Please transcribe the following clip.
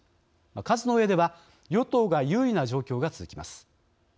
数のうえでは与党が優位な状況が続きます。